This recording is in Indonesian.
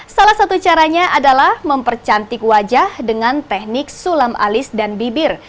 salah satu caranya adalah mempercantik wajah dengan teknik sulam alis dan bibir